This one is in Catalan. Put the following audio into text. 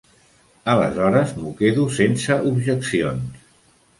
Aleshores, m'ho quedo sense objeccions.